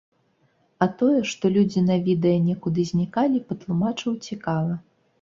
А тое, што людзі на відэа некуды знікалі, патлумачыў цікава.